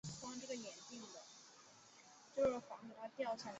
自治会是全人中学很重要的特色之一。